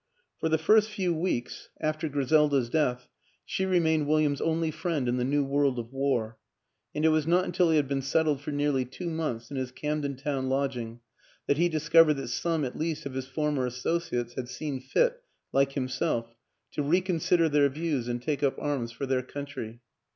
For the first few weeks after 236 WILLIAM AN ENGLISHMAN Griselda's death she remained William's only friend in the new world of war, and it was not until he had been settled for nearly two months in his Camden Town lodging that he discovered that some at least of his former associates had seen fit, like himself, to reconsider their views and take up arms for their country.